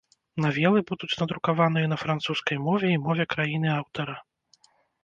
Навелы будуць надрукаваныя на французскай мове і мове краіны аўтара.